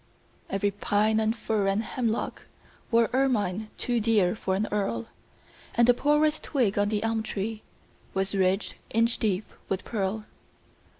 Every pine and fir and hemlock Wore ermine too dear for an earl, And the poorest twig on the elm tree Was ridged inch deep with pearl.